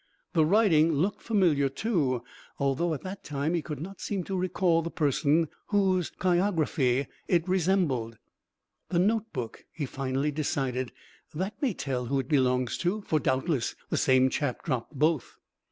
The writing looked familiar, too, although at that time he could not seem to recall the person whose chirography it resembled. "The notebook," he finally decided; "that may tell who it belongs to, for doubtless the same chap dropped both."